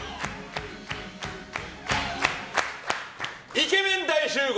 イケメン大集合！